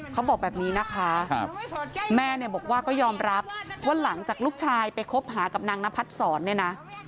เขาบอกแบบนี้นะคะแม่เนี่ยบอกว่าก็ยอมรับว่าหลังจากลูกชายไปคบหากับนางนพัดศรเนี่ยนะ